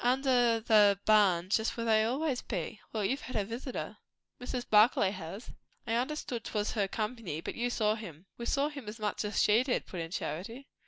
"Under the barn just where they always be. Well, you've had a visitor?" "Mrs. Barclay has." "I understood 'twas her company; but you saw him?" "We saw him as much as she did," put in Charity.